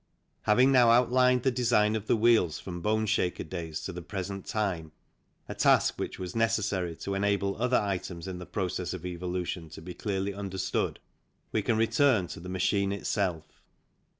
Having now outlined the design of the wheels from boneshaker days to the present time, a task which was necessary to enable other items in the process of evolu tion to be clearly understood, we can return to the machine itself.